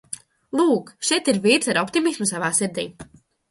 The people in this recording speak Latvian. Lūk šeit ir vīrs ar optimismu savā sirdī!